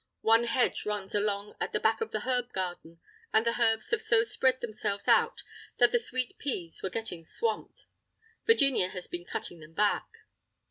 One hedge runs along at the back of the herb garden, and the herbs have so spread themselves out that the sweet peas were getting swamped. Virginia has been cutting them back.